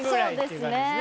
そうですね。